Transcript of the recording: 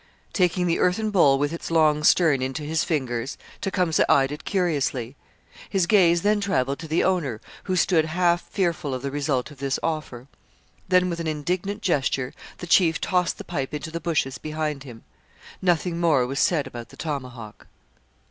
Taking the earthen bowl with its long stern into his fingers, Tecumseh eyed it curiously; his gaze then travelled to the owner, who stood half fearful of the result of this offer. Then with an indignant gesture the chief tossed the pipe into the bushes behind him. Nothing more was said about the tomahawk.